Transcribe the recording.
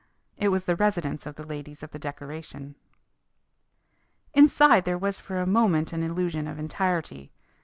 It was the residence of the ladies of the decoration. Inside there was for a moment an illusion of entirety.